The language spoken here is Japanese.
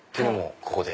ここで？